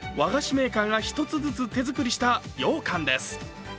メーカーが１つずつ手作りしたようかんです。